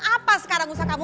apa sekarang usaha kamu